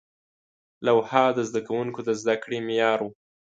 لوحه د زده کوونکو د زده کړې معیار و.